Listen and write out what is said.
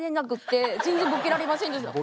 全然ボケられませんでした。